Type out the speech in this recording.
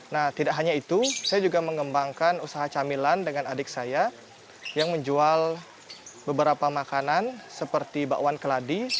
nah tidak hanya itu saya juga mengembangkan usaha camilan dengan adik saya yang menjual beberapa makanan seperti bakwan keladi